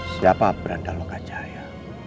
siapa beranda lokacaya